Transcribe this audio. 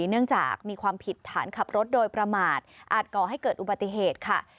เนื่องจากมีความผิดฐานขับรถโดยประมาทอาจก่อให้เกิดอุบัติเหตุค่ะ